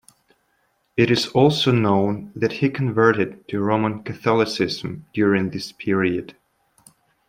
It is also known that he converted to Roman Catholicism during this period.